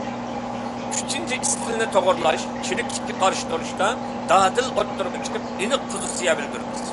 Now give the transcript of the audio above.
ئۈچىنچى، ئىستىلنى توغرىلاپ، چىرىكلىككە قارشى تۇرۇشتا دادىل ئوتتۇرىغا چىقىپ، ئېنىق پوزىتسىيە بىلدۈرىمىز.